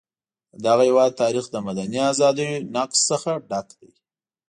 د دغه هېواد تاریخ له مدني ازادیو نقض څخه ډک دی.